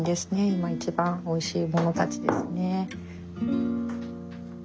今一番おいしいものたちですね。